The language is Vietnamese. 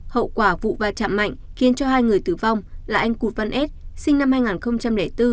hậu quả vụ va chạm mạnh khiến cho hai người tử vong là anh cụt văn ết sinh năm hai nghìn bốn